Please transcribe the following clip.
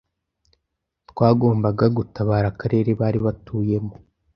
Twagombaga gutabara akarere bari batuyemo